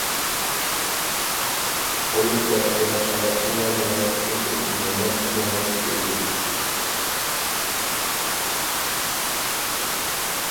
قويۇپ بەرسە ئەتىسىلا يەنە توشۇپ مېڭىپ يەنە تۇتۇلدى.